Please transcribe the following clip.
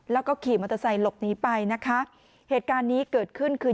แล้วก็ขี่มอเตอร์ไซค์หลบหนีไปนะคะเหตุการณ์นี้เกิดขึ้นคือ